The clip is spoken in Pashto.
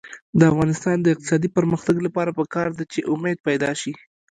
د افغانستان د اقتصادي پرمختګ لپاره پکار ده چې امید پیدا شي.